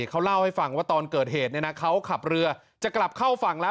เขาเล่าให้ฟังว่าตอนเกิดเหตุเขาขับเรือจะกลับเข้าฝั่งแล้ว